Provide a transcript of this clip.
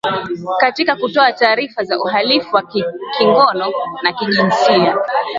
katika kutoa taarifa za uhalifu wa kingono na kijinsia